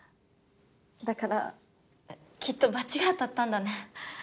だからきっと罰が当たったんだね。